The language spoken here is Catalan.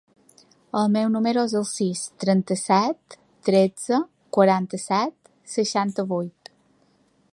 El meu número es el sis, trenta-set, tretze, quaranta-set, seixanta-vuit.